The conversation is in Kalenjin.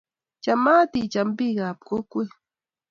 Chamaat icham biikap kokwet